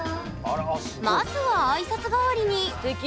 まずは挨拶代わりにすてき。